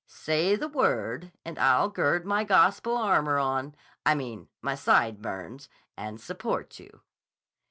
"Say the word and I'll gird my gospel armour on—I mean my side burns—and support you."